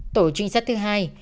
tổ trinh sát thứ hai